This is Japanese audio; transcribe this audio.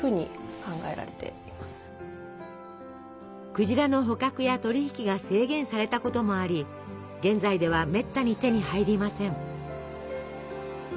クジラの捕獲や取り引きが制限されたこともあり現在ではめったに手に入りません。